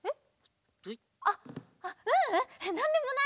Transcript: あううんなんでもない！